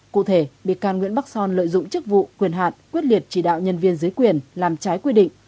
cụ thể bị can nguyễn bắc son lợi dụng chức vụ quyền hạn quyết liệt chỉ đạo nhân viên dưới quyền làm trái quy định